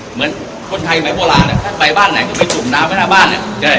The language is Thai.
เหมือนคนไทยหมายพอร่านะท่านไปบ้านไหนก็ไปจุดน้ำเป็นหน้าบ้านเนี่ย